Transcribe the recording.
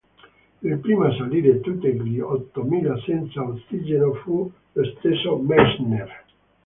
Il primo a salire tutte gli ottomila senza ossigeno fu lo stesso Messner.